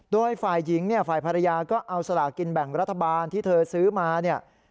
โดยฝ่ายหญิงเนี่ยฝ่ายภรรยาก็เอาสลากินแบ่งรัฐบาลที่เธอซื้อมาเนี่ย